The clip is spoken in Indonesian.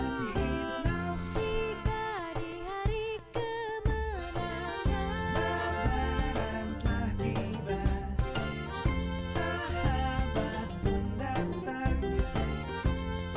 mabaran telah tiba sahabat pun datang